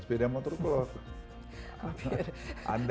sepeda motor itu berapa